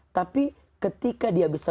tapi ketika dia bisa